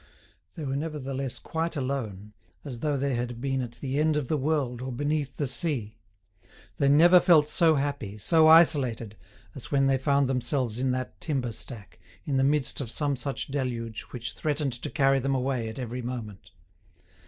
They were nevertheless quite alone, as though they had been at the end of the world or beneath the sea. They never felt so happy, so isolated, as when they found themselves in that timber stack, in the midst of some such deluge which threatened to carry them away at every moment.